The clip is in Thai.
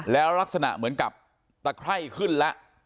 แล้วลักษณะเหมือนกับตะไคร่ขึ้นแล้ว